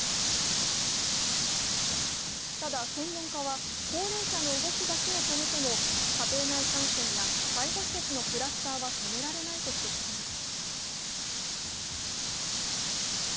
ただ専門家は、高齢者の動きだけを止めても家庭内感染や介護施設のクラスターは止められないと指摘します。